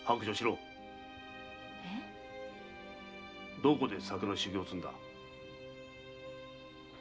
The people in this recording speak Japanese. どこで酒の修業を積んだ？